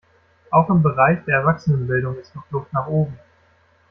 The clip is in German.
Auch im Bereich der Erwachsenenbildung ist noch Luft nach oben.